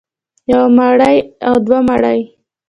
يوه مرۍ او دوه مرۍ